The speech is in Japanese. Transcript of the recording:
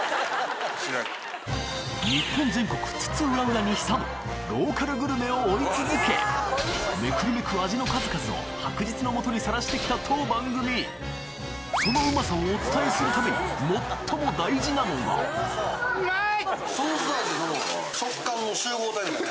日本全国津々浦々に潜むローカルグルメを追い続けめくるめく味の数々を白日の下に晒してきた当番組そのうまさをお伝えするためにもっとも大事なのがうまい！